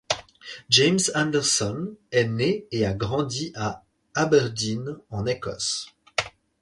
James Anderson est né et a grandi à Aberdeen, en Écosse.